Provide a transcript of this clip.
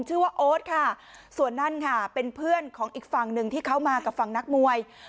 โอ๊ตค่ะส่วนนั่นค่ะเป็นเพื่อนของอีกฝั่งหนึ่งที่เขามากับฝั่งนักมวย